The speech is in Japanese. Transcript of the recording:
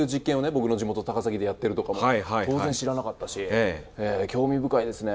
僕の地元高崎でやってるとかも当然知らなかったし興味深いですね。